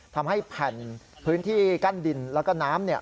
ทำให้แผ่นพื้นที่กั้นดินแล้วก็น้ำเนี่ย